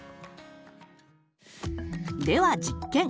では実験！